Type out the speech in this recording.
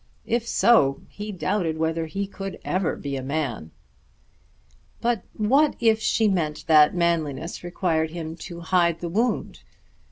If so he doubted whether he could ever be a man. But what if she meant that manliness required him to hide the wound?